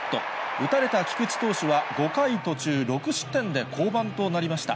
打たれた菊池投手は５回途中６失点で降板となりました。